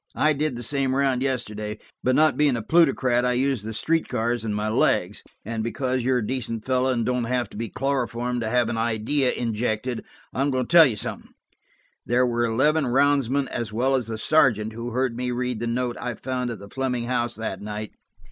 "I did the same round yesterday, but not being a plutocrat, I used the street cars and my legs. And because you're a decent fellow and don't have to be chloroformed to have an idea injected, I'm going to tell you something. There were eleven roundsmen as well as the sergeant who heard me read the note I found at the Fleming house that night.